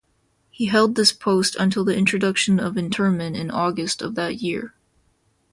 He held this post until the introduction of internment in August of that year.